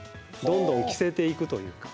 どんどん着せていくというか。